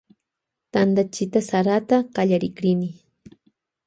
Kallarikrini tantachita sarata.